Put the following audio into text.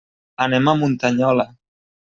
Anem a Muntanyola.